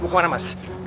mau kemana mas